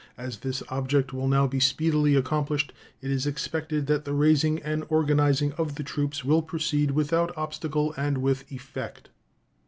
As this object will now be speedily accomplished, it is expected that the raising and organizing of the troops will proceed without obstacle and with effect.